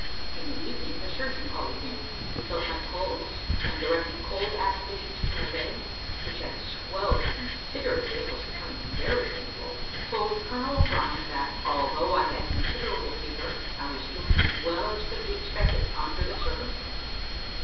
In the evening, the surgeon called again; he felt my pulse, and directing cold applications to my leg, which had swelled considerably, and was becoming very painful, told Colonel O'Brien that, although I had considerable fever, I was doing as well as could be expected under the circumstances.